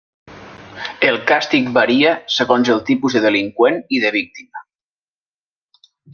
El càstig varia segons el tipus de delinqüent i de víctima.